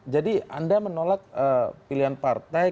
jadi anda menolak pilihan partai